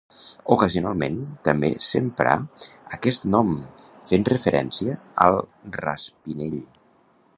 Ocasionalment també s'emprà aquest nom, fent referència al raspinell.